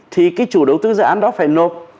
thì cái chủ đầu tư dự án đó phải nộp